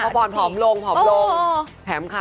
พ่อปอนด์ผอมลง